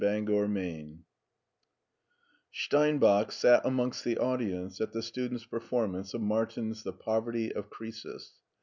CHAPTER IX STEINBACH sat amongst the audience at the students' performance of Martin's " The Poverty of Croesus."